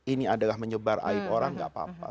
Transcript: ini adalah menyebar aib orang gak apa apa